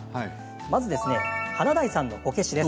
まず華大さんのこけしです。